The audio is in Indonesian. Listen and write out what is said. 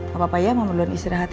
gak apa apa ya mama belum istirahat ya